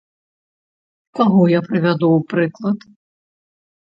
Каго я прывяду ў прыклад?